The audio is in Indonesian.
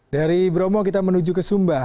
dari bromo kita menuju ke sumba